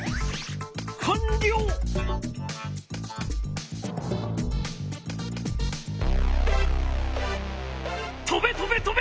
かんりょう！とべ！とべ！とべ！